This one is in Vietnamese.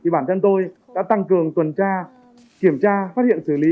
bản thân tôi đã tăng cường tuần tra kiểm tra phát hiện xử lý